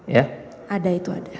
ya ada itu ada